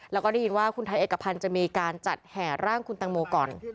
แล้วก็ได้ยินว่าคุณไทยเอกพันธ์จะมีการจัดแห่ร่างคุณตังโมก่อน